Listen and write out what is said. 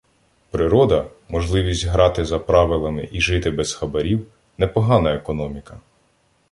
Природа, можливість грати за правилами і жити без хабарів, непогана економіка